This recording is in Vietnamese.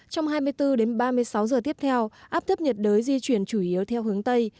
trong hai mươi bốn đến ba mươi sáu giờ tiếp theo áp thấp nhiệt đới di chuyển chủ yếu theo hướng tây